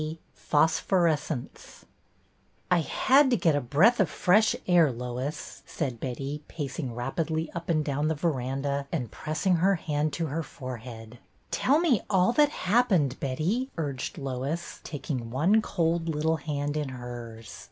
XX PHOSPHORESCENCE '' T HAD to get a breath of fresh air, Lois,'' I said Betty, pacing rapidly up and down the veranda and pressing her hand to her forehead. " Tell me all that happened, Betty," urged Lois, taking one cold little hand in hers.